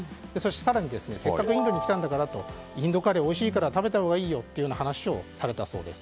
更に、せっかくインドに来たんだからインドカレーは美味しいから食べたほうがいいよという話をされたそうです。